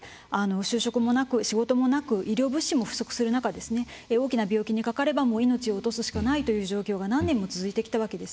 就職もなく医療物資も不足する中大きな病気にかかれば命を落とすしかないという状況が何年も続いてきたわけです。